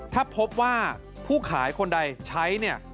ถ้าพบว่าผู้ขายคนใดใช้เนี่ย